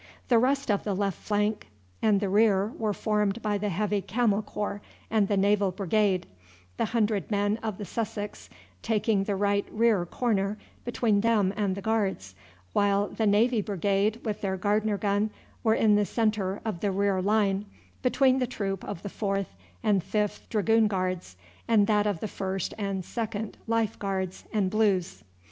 The rest of the left flank and the rear were formed by the Heavy Camel Corps and the Naval Brigade; the hundred men of the Sussex taking the right rear corner between them and the Guards, while the Naval Brigade with their Gardner gun were in the centre of the rear line, between the troop of the 4th and 5th Dragoon Guards and that of the 1st and 2d Life Guards and Blues.